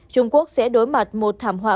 trung quốc sẽ đối mặt một thảm họa